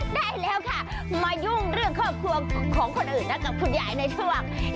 ได้แล้วค่ะมายุ่งเรื่องครอบครัวของคนอื่นนะกับคุณยายในช่วง